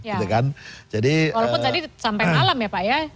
walaupun tadi sampai malam ya pak ya